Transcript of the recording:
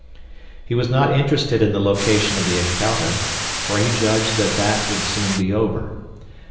He was not interested in the location of the encounter, for he judged that that would soon be over.